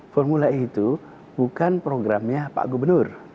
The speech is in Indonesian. formula e itu bukan programnya pak gubernur